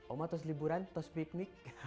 oma terus liburan terus piknik